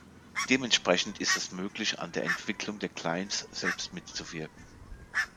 Dementsprechend ist es möglich, an der Entwicklung der Clients selbst mitzuwirken.